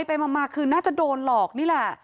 ไปมาคือน่าจะโดนหลอกนี่แหละ